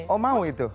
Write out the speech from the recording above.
oh mau itu